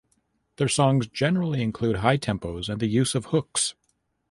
Their songs generally include high tempos and the use of hooks.